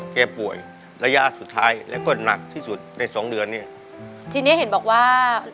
แกป่วยระยะสุดท้ายแล้วก็หนักที่สุดในสองเดือนเนี้ยอืมทีเนี้ยเห็นบอกว่า